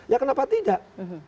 ya kenapa tidak